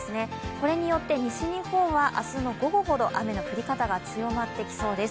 これによって西日本は明日の午後ほど雨の降り方が強まってきそうです。